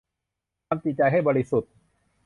ทำจิตใจให้บริสุทธิ์